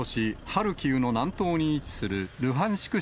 ハルキウの南東に位置するルハンシク